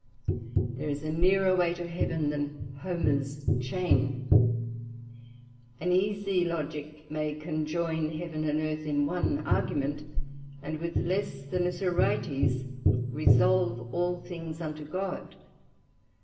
There is a nearer way to Heaven than Homer's Chain; an easy Logick may conjoin heaven and Earth, in one Argument, and with less than a Sorites resolve all things into God.